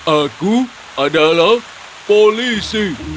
aku adalah polisi